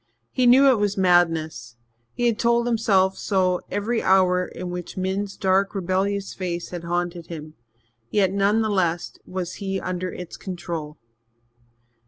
He knew it was madness he had told himself so every hour in which Min's dark, rebellious face had haunted him yet none the less was he under its control.